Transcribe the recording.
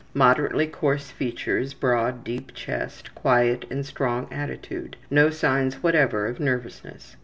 Moderately coarse features, broad deep chest, quiet and strong attitude. No signs whatever of nervousness.